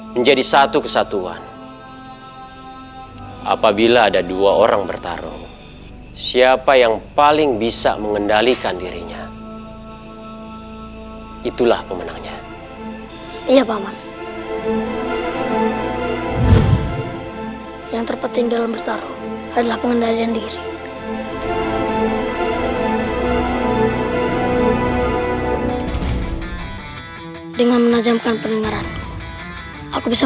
bagaimana cara kita mengolah kemampuan kanuragan dengan menggunakan akal pikiran tenaga dan juga rasa